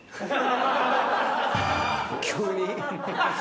急に？